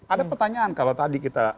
ada pertanyaan kalau tadi kita